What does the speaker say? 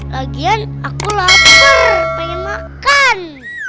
lagian aku lapar pengen makan